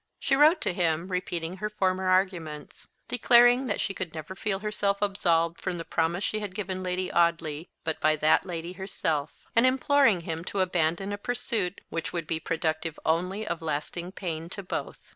She wrote to him, repeating her former arguments; declaring that she could never feel herself absolved from the promise she had given Lady Audley but by that lady herself, and imploring him to abandon a pursuit which would be productive only of lasting pain to both.